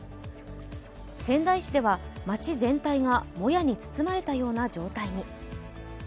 仙台市では、街全体がもやに包まれたような状態に。